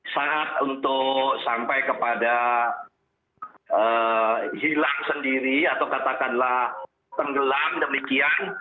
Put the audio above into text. saat untuk sampai kepada hilang sendiri atau katakanlah tenggelam demikian